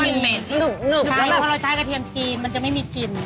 เหม็นพอเราใช้กระเทียมจีนมันจะไม่มีกลิ่น